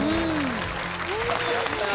やったー！